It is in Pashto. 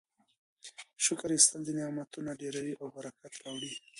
شکر ایستل نعمتونه ډیروي او برکت راوړي.